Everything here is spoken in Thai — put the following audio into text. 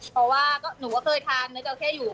เพราะว่าหนูก็เคยทานเนื้อจราเข้อยู่